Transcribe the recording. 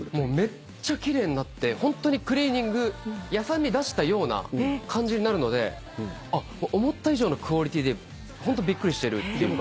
めっちゃ奇麗になってホントにクリーニング屋さんに出したような感じになるので思った以上のクオリティーでホントびっくりしてるっていうか。